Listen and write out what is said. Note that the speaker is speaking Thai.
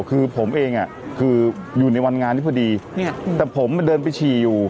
คือผมเองอ่ะคืออยู่ในวันงานนี้พอดีแต่ผมมันเดินไปฉี่อยู่